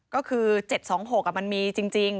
ก็คือ๗๒๖มันมีจริง